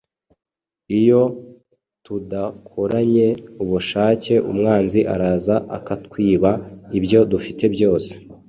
Iyo tudakoranye ubushake, umwanzi araza akatwiba ibyo dufite byose